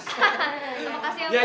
hahaha makasih ya pak